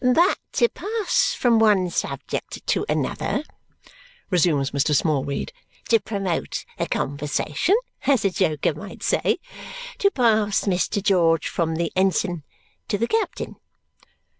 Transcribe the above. "But to pass from one subject to another," resumes Mr. Smallweed. "'To promote the conversation,' as a joker might say. To pass, Mr. George, from the ensign to the captain."